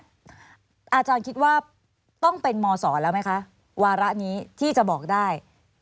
อาจารย์คิดว่าต้องเป็นมศแล้วไหมคะวาระนี้ที่จะบอกได้